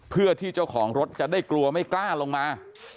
เพื่อที่เจ้าของรถจะได้กลัวไม่กล้าลงมา